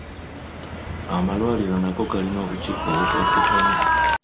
Amalwaliro nago galina obukiiko obugaddukanya.